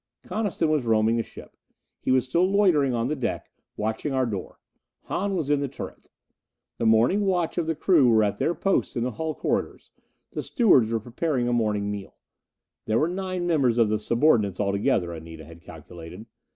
Coniston was roaming the ship; he was still loitering on the deck, watching our door. Hahn was in the turret. The morning watch of the crew were at their posts in the hull corridors; the stewards were preparing a morning meal. There were nine members of subordinates altogether, Anita had calculated.